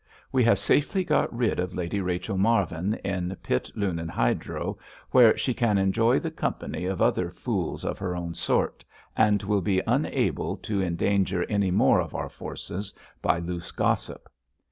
We have safely got rid of Lady Rachel Marvin in Pitt Lunan Hydro, where she can enjoy the company of other fools of her own sort, and will be unable to endanger any more of our forces by loose gossip."